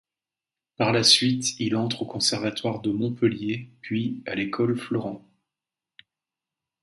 Par la suite, il entre au conservatoire de Montpellier puis à l'école Florent.